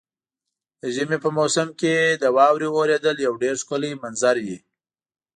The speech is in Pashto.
د ژمي په موسم کې د واورې اورېدل یو ډېر ښکلی منظر وي.